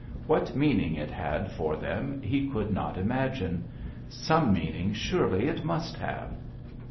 What meaning it had for them he could not imagine. Some meaning surely it must have